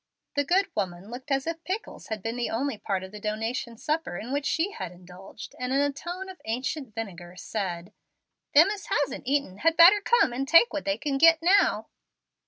The good woman looked as if pickles had been the only part of the donation supper in which she had indulged, and in a tone of ancient vinegar, said, "Them as hasn't eaten had better come and take what they can git now."